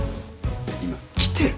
今きてる。